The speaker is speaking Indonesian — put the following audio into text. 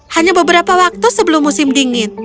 hanya beberapa waktu sebelum musim dingin